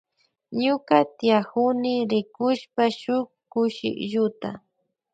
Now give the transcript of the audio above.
Ñuka tiyakuni rkushp shuk kushilluta.